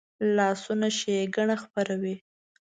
لاسونه ښېګڼه خپروي